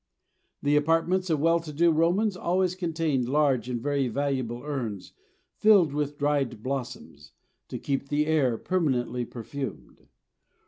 The apartments of well to do Romans always contained large and very valuable urns filled with dried blossoms, to keep the air permanently perfumed.